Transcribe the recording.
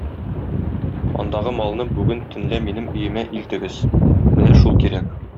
Андагы малны бүген төнлә минем өемә илтегез, менә шул кирәк.